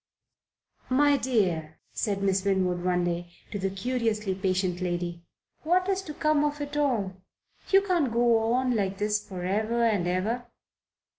"My dear," said Miss Winwood one day to the curiously patient lady, "what is to come of it all? You can't go on like this for ever and ever."